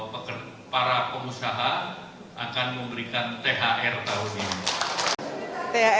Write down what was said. para pengusaha akan memberikan thr tahun ini